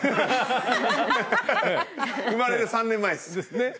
生まれる３年前です。ですね。